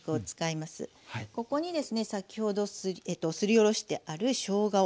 ここにですね先ほどすりおろしてあるしょうがを。